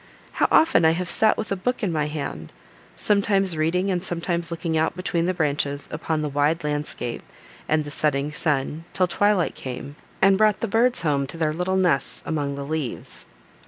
How often I have sat with a book in my hand, sometimes reading, and sometimes looking out between the branches upon the wide landscape, and the setting sun, till twilight came, and brought the birds home to their little nests among the leaves!